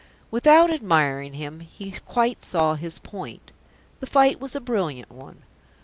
Without admiring him, he quite saw his point. The fight was a brilliant one.